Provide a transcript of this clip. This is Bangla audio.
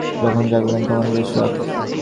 যখন জাগলেন, তখন বেশ রাত।